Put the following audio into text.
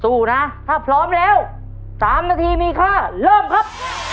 สู้นะถ้าพร้อมแล้ว๓นาทีมีค่าเริ่มครับ